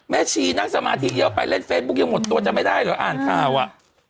ชีนั่งสมาธิเยอะไปเล่นเฟซบุ๊กยังหมดตัวจะไม่ได้เหรออ่านข่าวอ่ะ